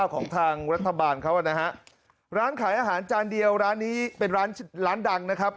ของทางรัฐบาลเขานะฮะร้านขายอาหารจานเดียวร้านนี้เป็นร้านร้านดังนะครับ